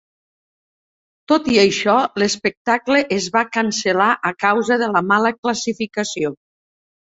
Tot i això, l'espectacle es va cancel·lar a causa de la mala classificació.